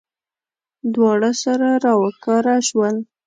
دواړه سره راوکاره شول.